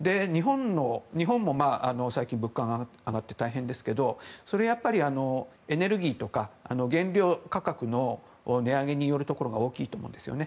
日本も最近、物価が上がって大変ですけどそれはやっぱり、エネルギーとか原料価格の値上げによるところが大きいと思うんですよね。